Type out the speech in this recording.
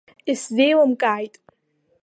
Исзеилымкааит.